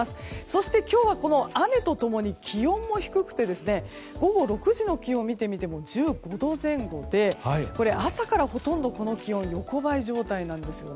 そして、今日は雨と共に気温も低くて午後６時の気温を見てみても１５度前後で朝からほとんど、この気温横ばい状態なんです。